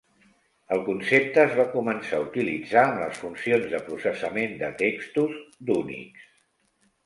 El concepte es va començar a utilitzar amb les funcions de processament de textos d'Unix.